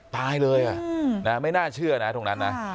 ตายเลยไม่น่าเชื่อนะตรงนั้นนะ